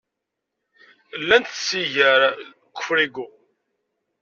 Llant tsigar deg ufrigu.